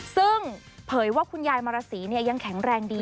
ซึ่งเผยว่าคุณยายมารสียังแข็งแรงดี